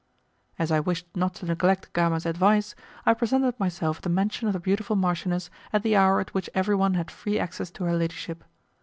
As I wished not to neglect Gama's advice, I presented myself at the mansion of the beautiful marchioness at the hour at which everyone had free access to her ladyship.